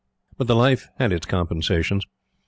But the life had its compensations.